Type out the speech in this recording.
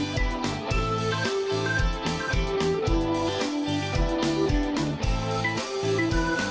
สวัสดีค่ะ